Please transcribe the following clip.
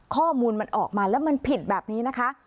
ข้อมูลมันออกมาแล้วมันผิดแบบนี้นะคะ